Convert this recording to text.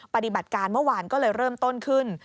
ปฏิบัติการเมื่อวานก็เลยเริ่มต้นขึ้น